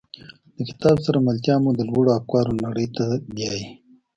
له کتاب سره ملتیا مو د لوړو افکارو نړۍ ته بیایي.